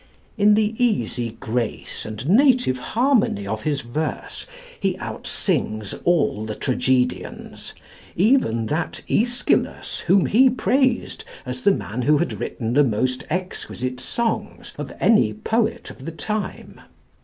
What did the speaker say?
In the easy grace and native harmony of his verse he outsings all the tragedians, even that Aeschylus whom he praised as the man who had written the most exquisite songs of any poet of the time.